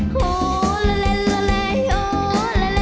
โฮลาเลลาเลโฮลาเลลาเลโฮลาเล